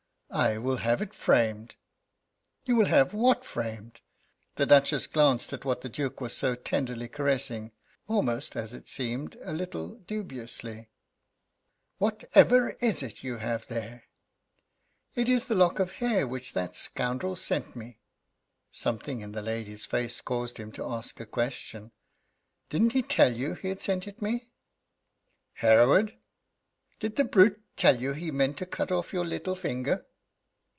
"I will have it framed." "You will have what framed?" The Duchess glanced at what the Duke was so tenderly caressing, almost, as it seemed, a little dubiously, "Whatever is it you have there?" "It is the lock of hair which that scoundrel sent me." Something in the lady's face caused him to ask a question: "Didn't he tell you he had sent it me?" "Hereward!" "Did the brute tell you that he meant to cut off your little finger?"